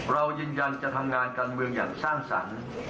เรายืนยันจะทำงานการเมืองอย่างสร้างสรรค์